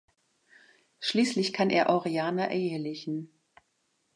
Schließlich kann er Oriana ehelichen.